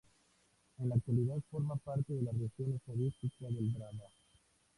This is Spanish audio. En la actualidad forma parte de la región estadística del Drava.